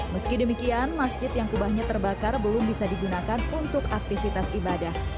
meski demikian masjid yang kubahnya terbakar belum bisa digunakan untuk aktivitas ibadah